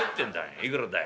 いくらだよ。